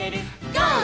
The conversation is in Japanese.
ゴー！」